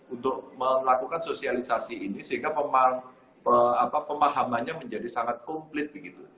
untuk melakukan sosialisasi ini sehingga pemahamannya menjadi sangat komplit begitu